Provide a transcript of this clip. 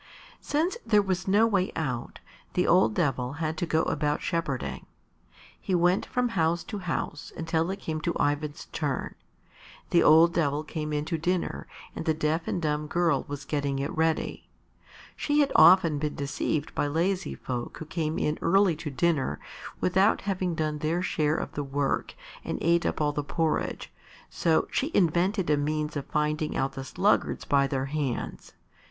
Since there was no way out, the old Devil had to go about shepherding. He went from house to house until it came to Ivan's turn. The old Devil came in to dinner and the deaf and dumb girl was getting it ready. She had often been deceived by lazy folk who came in early to dinner without having done their share of work and ate up all the porridge, so she invented a means of finding out the sluggards by their hands.